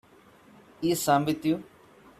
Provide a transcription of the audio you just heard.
Is Sam with you?